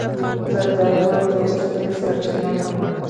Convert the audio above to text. زردالو د اوسپنې سرچینه هم ده.